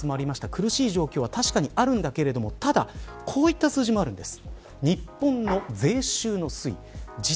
苦しい状況は確かにあるけれどただこういった数字もあるんです。